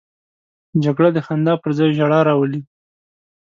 جګړه د خندا پر ځای ژړا راولي